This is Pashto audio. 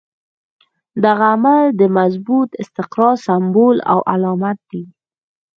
دغه عمل د مضبوط استقرار سمبول او علامت دی.